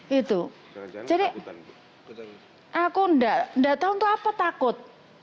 gitu jadi aku tidak tahu untuk apa takut